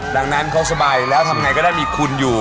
ดังนั้นเขาสบายแล้วทำไงก็ได้มีคุณอยู่